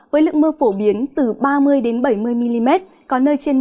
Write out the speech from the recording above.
với lượng mưa phổ biến từ ba mươi bảy mươi mm có nơi trên một trăm linh mm